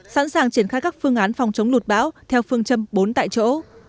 sẵn sàng triển khai các phương án phòng chống lụt bão theo phương châm bốn tại chỗ